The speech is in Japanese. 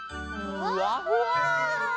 ふわふわ！